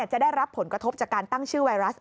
จะได้รับผลกระทบจากการตั้งชื่อไวรัส